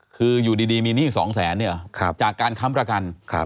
คืออยู่ดีมีหนี้๒แสนเนี่ยเหรอจากการค้ำประกัน